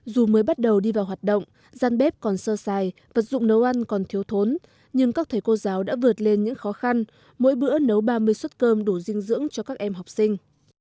dù mới bắt đầu đi vào hoạt động gian bếp còn sơ sài vật dụng nấu ăn còn thiếu thốn nhưng các thầy cô giáo đã vượt lên những khó khăn mỗi bữa nấu ba mươi suất cơm đủ dinh dưỡng cho các em học sinh